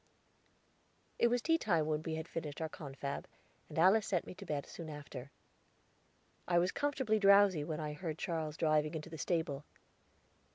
It was tea time when we had finished our confab, and Alice sent me to bed soon after. I was comfortably drowsy when I heard Charles driving into the stable.